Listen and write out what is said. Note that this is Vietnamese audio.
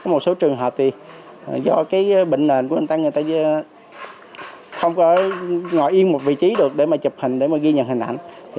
một số trường hợp thì do bệnh nền của bệnh tay người ta không có ngồi yên một vị trí được để mà chụp hình để ghi nhận hình ảnh